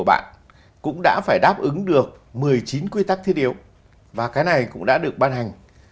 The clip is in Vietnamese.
và bản thân đơn vị của bạn cũng đã phải đáp ứng được một mươi chín quy tắc thiết yếu và cái này cũng đã được ban hành